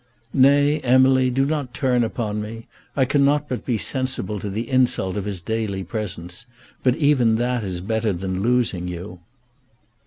"Nay, Emily; do not turn upon me. I cannot but be sensible to the insult of his daily presence; but even that is better than losing you."